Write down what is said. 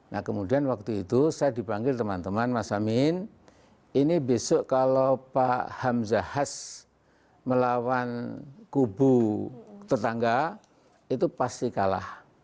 nah kemudian waktu itu saya dipanggil teman teman mas amin ini besok kalau pak hamzahas melawan kubu tetangga itu pasti kalah